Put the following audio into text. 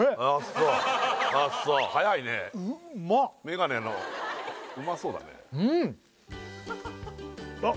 そうあっそう早いねうんまっメガネのうまそうだねうん！